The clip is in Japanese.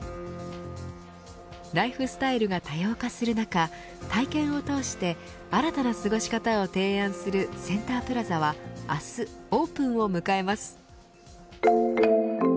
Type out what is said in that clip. ライフスタイルが多様化する中体験をとおして新たな過ごし方を提案するセンタープラザは明日オープンを迎えます。